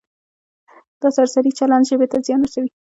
دا سرسري چلند ژبې ته زیان رسوي.